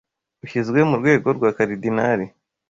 ushyizwe mu rwego rwa Karidinali,